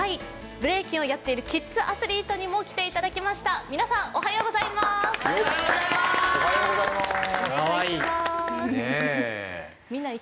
ブレイキンをやっているキッズアスリートにも来ていただきました皆さんおはようございますおはようございますカワイイ！